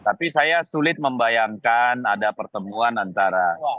tapi saya sulit membayangkan ada pertemuan antara